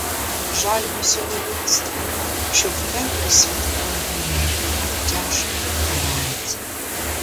Жаль усього людства, що в пеклі світової війни так тяжко карається.